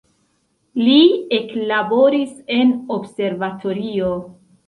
Li eklaboris en observatorio.